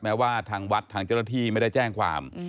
แม้ว่าทางวัดทางเจ้าหน้าที่ไม่ได้แจ้งความ